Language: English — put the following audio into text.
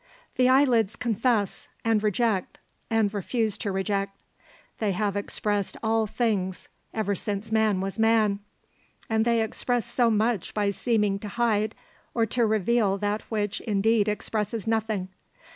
The eyelids confess, and reject, and refuse to reject. They have expressed all things ever since man was man. And they express so much by seeming to hide or to reveal that which indeed expresses nothing.